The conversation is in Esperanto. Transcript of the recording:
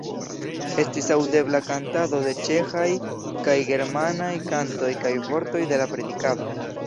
Estis aŭdebla kantado de ĉeĥaj kaj germanaj kantoj kaj vortoj de la predikado.